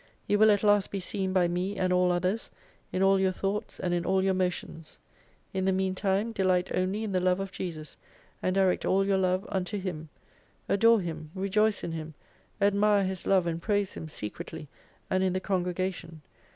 You will at last be seen by me and all others, in all y our thoughts and in all your motions. In the mean time, delight only in the love of Jesus, and direct all your love unto Him. Adore Him, rejoice in Him, admire His love and praise Him, secretly and in the congregation.